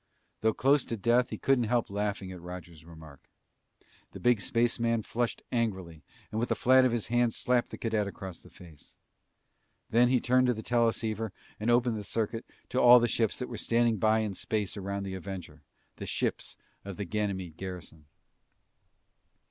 Though close to death, he couldn't help laughing at Roger's remark. The big spaceman flushed angrily and with the flat of his hand slapped the cadet across the face. Then, he turned to the teleceiver and opened the circuit to all the ships that were standing by in space around the Avenger, the ships of the Ganymede garrison.